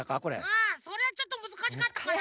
ああそれはちょっとむずかしかったかな。